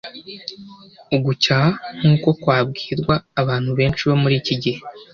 Ugucyaha nk'uko kwabwirwa abantu benshi bo muri iki gihe,